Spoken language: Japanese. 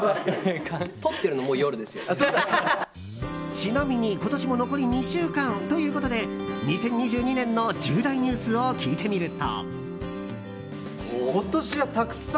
ちなみに今年も残り２週間ということで２０２２年の重大ニュースを聞いてみると。